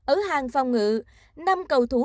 ở hàng phong ngự năm cầu thú